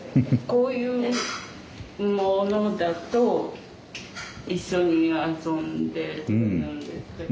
こういうものだと一緒に遊んでくれるんですけど。